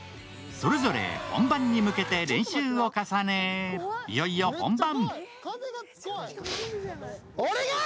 それぞれ本番に向けて練習を重ね、いよいよ本番！